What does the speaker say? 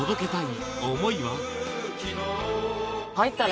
入ったね。